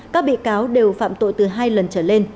các bị cáo đều phạm tội từ hai lần trở lên